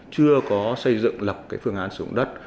chưa có xây dựng lập phương án sử dụng đất